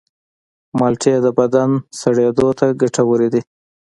مالټې د بدن سړېدو ته ګټورې دي.